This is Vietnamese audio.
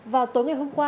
vào tối ngày hôm qua